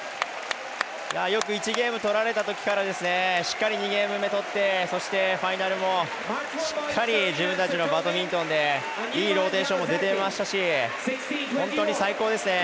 よく１ゲーム取られたときからしっかり２ゲーム目、取ってそして、ファイナルもしっかり、自分たちのバドミントンでいいローテーションも出ていましたし本当に最高ですね！